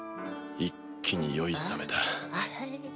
一気に酔いさめた。